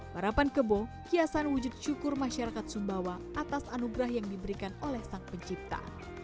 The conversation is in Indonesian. barapan kebo kiasan wujud syukur masyarakat sumbawa atas anugerah yang diberikan oleh sang pencipta